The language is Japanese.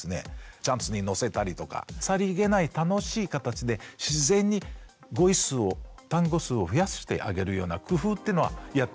チャンツにのせたりとかさりげない楽しい形で自然に語彙数を単語数を増やしてあげるような工夫っていうのはやっておいた方がいいかもしれませんね。